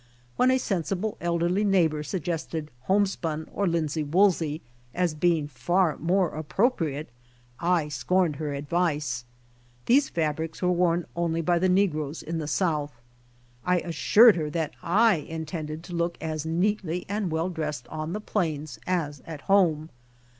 When a sensible elderly neighbor suggested home spun or linsey woolsey as being far more appropriate, I scorned her advice. These fab rics were worn only by the negroes in the South. I assured her that I intended to look as neatly and well dressed on the plains as at home.